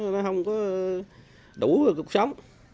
nó không có đủ cuộc sống